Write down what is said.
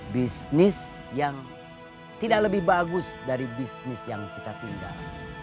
bisnis yang tidak lebih bagus dari bisnis yang kita tinggal